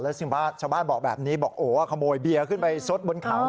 แล้วชาวบ้านบอกแบบนี้บอกโอ้วขโมยเบียร์ขึ้นไปซดบนขาวด้วย